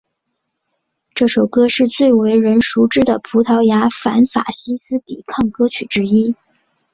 这首歌是最为人熟知的葡萄牙反法西斯抵抗歌曲之一。